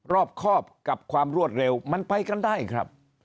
รอบครอบกับความรวดเร็วมันไปกันได้ครับ